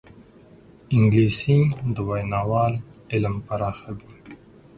انګلیسي د ویناوال علم پراخوي